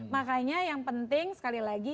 makanya yang penting sekali lagi